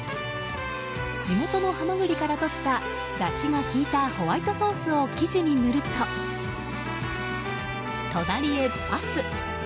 地元のハマグリからとっただしが効いたホワイトソースを生地に塗ると隣へパス！